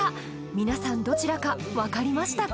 皆さんどちらか分かりましたか？